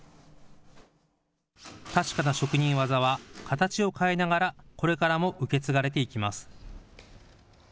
確かな職人技は形を変えながらこれからも受け継がれていきます。